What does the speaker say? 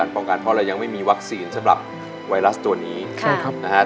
ป้องกันเพราะเรายังไม่มีวัคซีนสำหรับไวรัสตัวนี้ใช่ครับนะฮะ